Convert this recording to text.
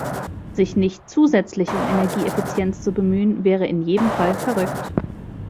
Sich nicht zusätzlich um Energieeffizienz zu bemühen wäre in jedem Fall verrückt.